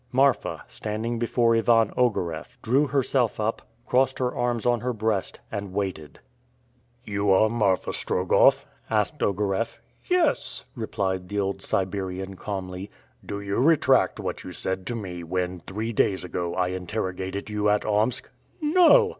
Marfa, standing before Ivan Ogareff, drew herself up, crossed her arms on her breast, and waited. "You are Marfa Strogoff?" asked Ogareff. "Yes," replied the old Siberian calmly. "Do you retract what you said to me when, three days ago, I interrogated you at Omsk?" "No!"